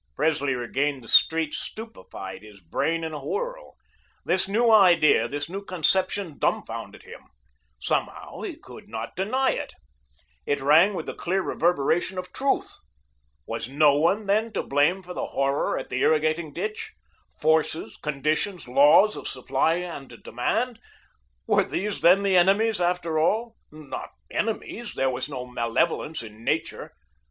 Presley regained the street stupefied, his brain in a whirl. This new idea, this new conception dumfounded him. Somehow, he could not deny it. It rang with the clear reverberation of truth. Was no one, then, to blame for the horror at the irrigating ditch? Forces, conditions, laws of supply and demand were these then the enemies, after all? Not enemies; there was no malevolence in Nature.